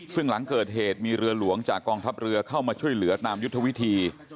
ซึ่งหลังเกิดเหตุมีเรือหลวงจากกองทัพเรือเข้ามาช่วยเหลือตามยุทธวิธี